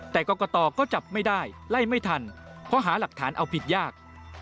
แต่กรกตก็จับไม่ได้ไล่ไม่ทันเพราะหาหลักฐานเอาผิดยาก